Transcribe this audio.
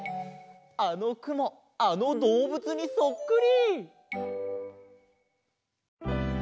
あのくもあのどうぶつにそっくり！